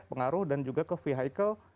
pengaruh dan juga ke vehicle